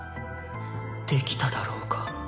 できただろうか？